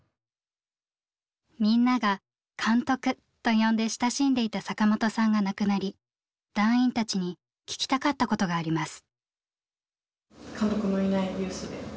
みんなが「監督」と呼んで親しんでいた坂本さんが亡くなり団員たちに聞きたかったことがあります。